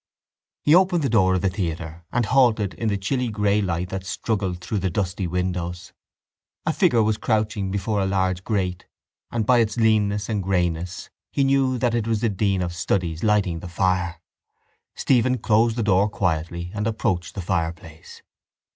He opened the door of the theatre and halted in the chilly grey light that struggled through the dusty windows. A figure was crouching before the large grate and by its leanness and greyness he knew that it was the dean of studies lighting the fire. Stephen closed the door quietly and approached the fireplace.